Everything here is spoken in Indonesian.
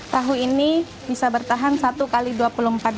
tahu ini bisa bertahan satu kali di kota kediri